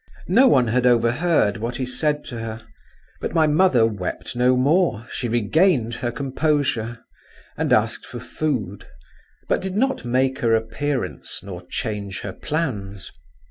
No one had overheard what he said to her; but my mother wept no more; she regained her composure, and asked for food, but did not make her appearance nor change her plans.